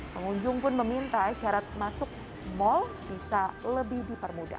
pengunjung pun meminta syarat masuk mal bisa lebih dipermudah